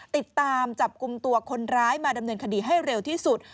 ติดตามจับกลุ่มตัวคนร้ายมาดำเนินคดีให้เร็วที่สุด